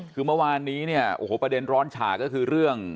คือเมื่อวานนี้เนี่ยโอ้โหประเด็นร้อนฉากก็คือเรื่อง